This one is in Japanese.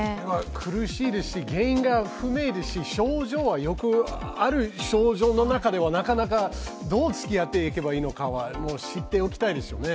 苦しいですし、原因は不明ですし症状はよくある症状の中なかなかどうつきあっていけばいいのかは、知っておきたいですよね。